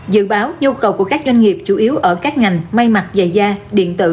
dự báo nhu cầu của các doanh nghiệp chủ yếu ở các ngành mây mặt